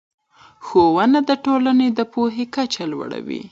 ښوونه د ټولنې د پوهې کچه لوړه وي